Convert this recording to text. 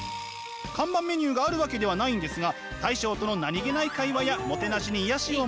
看板メニューがあるわけではないんですが大将との何気ない会話やもてなしに癒やしを求め